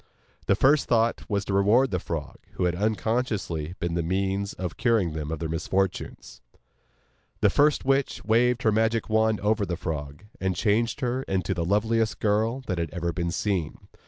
Their first thought was to reward the frog, who had unconsciously been the means of curing them of their misfortunes. The first witch waved her magic wand over the frog, and changed her into the loveliest girl that had ever been seen.